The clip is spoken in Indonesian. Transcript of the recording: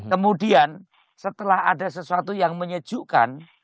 kemudian setelah ada sesuatu yang menyejukkan